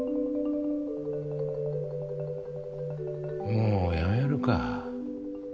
もうやめるか。